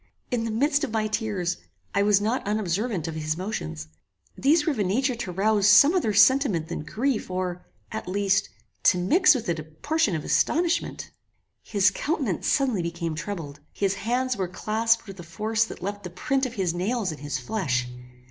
In the midst of my tears, I was not unobservant of his motions. These were of a nature to rouse some other sentiment than grief or, at least, to mix with it a portion of astonishment. His countenance suddenly became troubled. His hands were clasped with a force that left the print of his nails in his flesh.